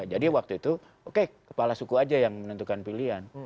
jadi waktu itu oke kepala suku aja yang menentukan pilihan